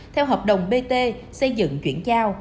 theo hợp đồng bt xây dựng chuyển giao